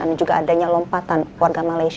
dan juga adanya lompatan warga malaysia